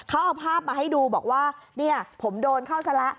เขาเอาภาพมาให้ดูบอกว่าเนี่ยผมโดนเข้าซะแล้ว